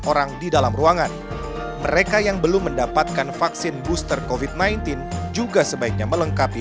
orang di dalam ruangan mereka yang belum mendapatkan vaksin booster covid sembilan belas juga sebaiknya melengkapi